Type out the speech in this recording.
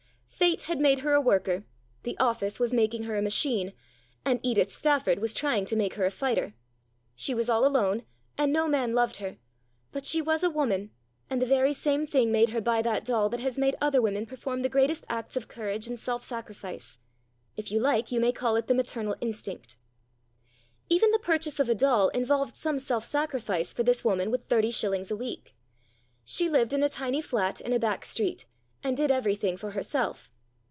Fate had made her a worker, the office was making her a machine, and Edith Stafford was trying to make her a fighter. She was all alone, and no man loved her ; but she was a woman, and the very same thing made her buy that doll that has made other women perform the greatest acts of courage and self sacrifice. If you like you may call it the maternal instinct. Even the purchase of a doll involved some self sacrifice for this woman with thirty shillings a week. She lived in a tiny flat in a back street, and did everything for herself.